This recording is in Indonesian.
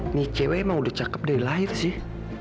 ini icw emang udah cakep dari lahir sih